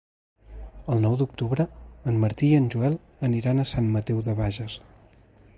El nou d'octubre en Martí i en Joel aniran a Sant Mateu de Bages.